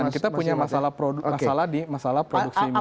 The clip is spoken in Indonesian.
dan kita punya masalah di masalah produksi minyak